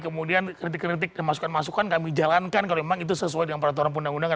kemudian kritik kritik dan masukan masukan kami jalankan kalau memang itu sesuai dengan peraturan undang undangan